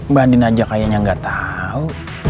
mbak andin aja kayaknya nggak tahu